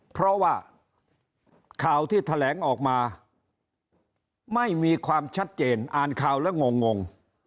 เพราะว่าข่าวที่แถลงออกมาไม่มีความชัดเจนอ่านข่าวแล้วงง